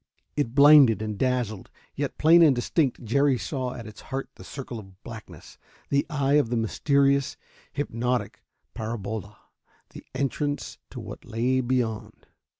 It blinded and dazzled, yet, plain and distinct, Jerry saw at its heart the circle of blackness, the eye of the mysterious, hypnotic parabola the entrance to what lay beyond.